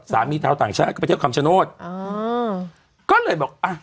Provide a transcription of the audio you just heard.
ชาวต่างชาติก็ไปเที่ยวคำชโนธอ๋อก็เลยบอกอ่ะ